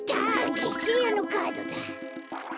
げきレアのカードだ！